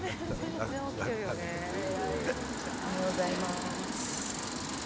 おはようございます。